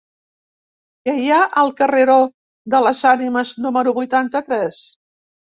Què hi ha al carreró de les Ànimes número vuitanta-tres?